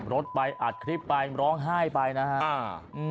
ขับรถไปอัดคลิปไปร้องไห้ไปนะครับ